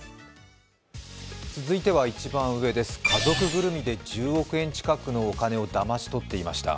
続いては一番上、家族ぐるみで１０億円近くのお金をだまし取っていました。